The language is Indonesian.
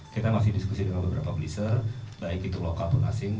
kita masih diskusi dengan beberapa ablisher baik itu lokal pun asing